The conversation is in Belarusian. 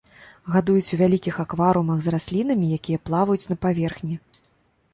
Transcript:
Гадуюць у вялікіх акварыумах з раслінамі, якія плаваюць на паверхні.